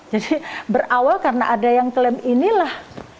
jadi berawal karena ada yang klaim inilah